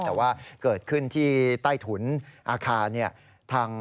แต่ว่าเกิดขึ้นที่ใต้ถุนอาคารเนี่ย